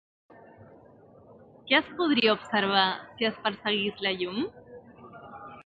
Què es podria observar si es perseguís la llum?